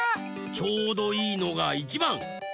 ちょうどいいのがいちばん。